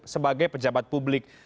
sebagai pejabat publik